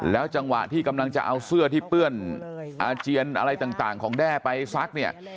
จังหวะที่กำลังจะเอาเสื้อที่เปื้อนอาเจียนอะไรต่างของแด้ไปซักเนี่ย